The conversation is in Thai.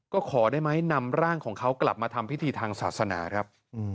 ก็ขอได้ไหมนำร่างของเขากลับมาทำพิธีทางศาสนาครับ